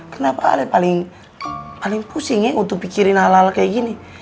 kenapa ale paling pusing ya untuk pikirin hal hal kayak gini